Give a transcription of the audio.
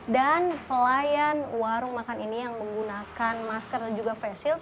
dan pelayan warung makan ini yang menggunakan masker dan juga face shield